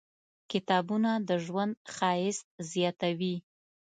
کتابونه د ژوند ښایست زیاتوي.